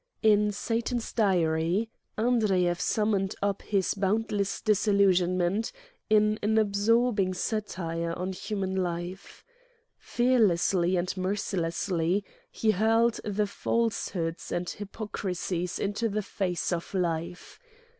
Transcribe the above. In " Satan's Diary" Andreyev summed up his boundless disillusionment in an absorbing satire on human life. Fearlessly and mercilessly he hurled the falsehoods and hypocrisies into the face of life.